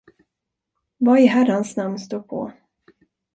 Vad i herrans namn står på?